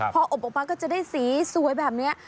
พออบออกมาก็จะได้สีสวยแบบนี้